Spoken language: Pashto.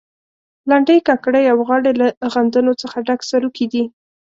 لنډۍ، کاکړۍ او غاړې له غندنو څخه ډک سروکي دي.